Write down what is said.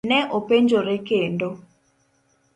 Ne openjore kendo.